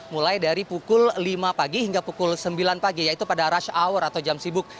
mulai dari pukul lima pagi hingga pukul sembilan pagi yaitu pada rush hour atau jam sibuk